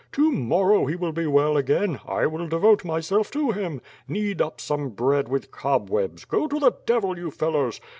*'To morrow he will be well again; 1 will devote myself to him. Knead up some bread with cobwebs; go to the devil, you fellows!